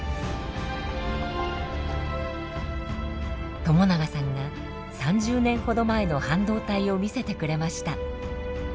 友永さんが３０年ほど前の半導体を見せてくれました。